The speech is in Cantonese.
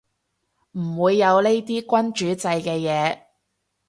唔會有呢啲君主制嘅嘢